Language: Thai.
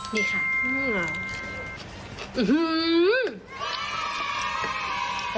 นี่ค่ะ